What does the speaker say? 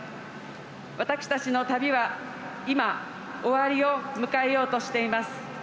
私たちの旅は今終わりを迎えようとしています。